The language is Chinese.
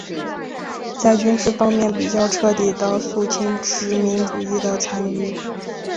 在军事方面比较彻底地肃清殖民主义的残余。